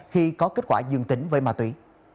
khi có kết quả dương tính với ma túy